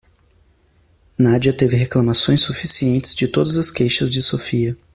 Nadia teve reclamações suficientes de todas as queixas de Sofia.